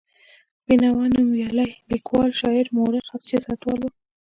بېنوا نومیالی لیکوال، شاعر، مورخ او سیاستوال و.